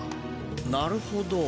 なるほど。